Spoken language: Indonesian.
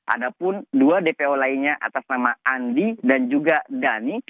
ada pun dua dpo lainnya atas nama andi dan juga dhani